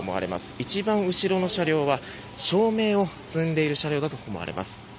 一番後ろの車両は照明を積んでいる車両だと思われます。